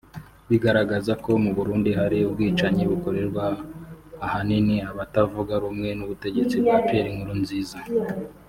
bigaragaza ko mu Burundi hari ubwicanyi bukorerwa ahanini abatavuga rumwe n’ubutegetsi bwa Pierre Nkurunziza